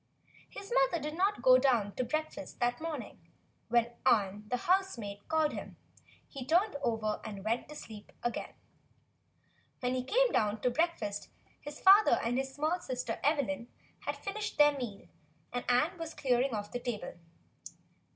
His mother did not go down to breakfast that morning, and when Ann, the housemaid, called him, he turned over and went to sleep again. WTien he came down to breakfast his father and his small sister Evelyn had finished their meal, and Ann was clearing off the table.